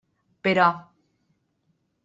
Però.